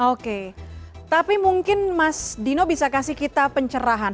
oke tapi mungkin mas dino bisa kasih kita pencerahan